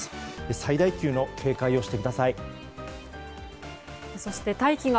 最大級の警戒をしてください。